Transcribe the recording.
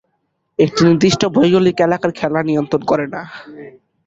এটি একটি নির্দিষ্ট ভৌগোলিক এলাকার খেলা নিয়ন্ত্রণ করে না।